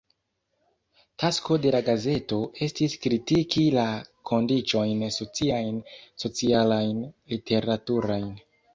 Tasko de la gazeto estis kritiki la kondiĉojn sociajn, socialajn, literaturajn.